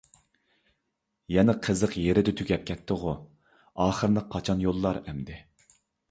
يەنە قىزىق يېرىدە تۈگەپ كەتتىغۇ؟ ئاخىرىنى قاچان يوللار ئەمدى؟